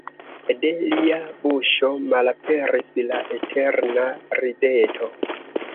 De lia buŝo malaperis la eterna rideto.